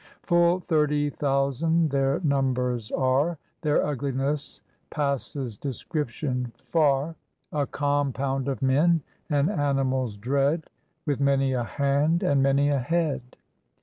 Full thirty thousand their numbers are: Their ughness passes description far; 269 SIAM A compound of men and animals dread, With many a hand and many a head.